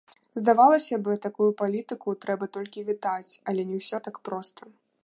Здавалася б, такую палітыку трэба толькі вітаць, але не ўсё так проста.